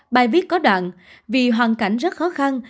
bài viết có đoạn vì hoàn cảnh rất khó khăn